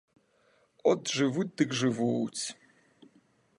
От жывуць, дык жывуць!